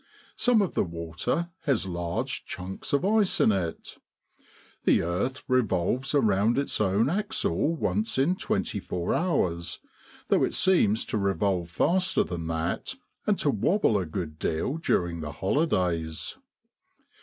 Some of the water has large chunks of ice in it. The earth revolves around its own axle once in twenty four hours, though it seems to revolve faster than that, and to wobble a good deal during the holidays.